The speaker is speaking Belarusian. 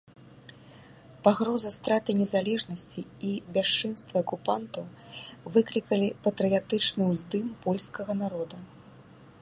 Пагроза страты незалежнасці і бясчынствы акупантаў выклікалі патрыятычны ўздым польскага народа.